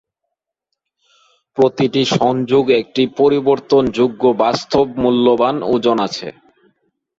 প্রতিটি সংযোগ একটি পরিবর্তনযোগ্য বাস্তব-মূল্যবান ওজন আছে।